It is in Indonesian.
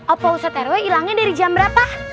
opa ustadz rw ilangnya dari jam berapa